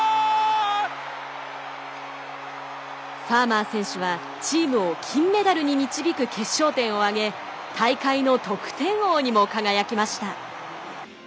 ファーマー選手はチームを金メダルに導く決勝点を挙げ大会の得点王にも輝きました。